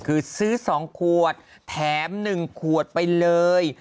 คือซื้อ๒ขวดแถม๑ขวดไปเลย